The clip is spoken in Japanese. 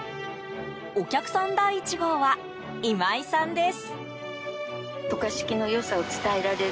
お客さん第１号は今井さんです。